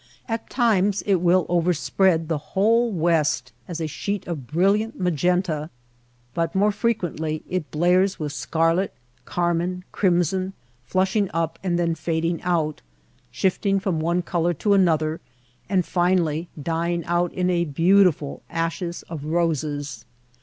At times it will overspread the whole west as a sheet of brilliant magenta, but more frequently it blares with scarlet, carmine, crimson, flushing up and then fading out, shifting from one color to another ; and finally dying out in a beautiful ashes of roses.